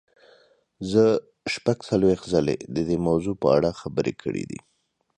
زه شپږ څلوېښت ځلې د دې موضوع په اړه خبرې کړې دي.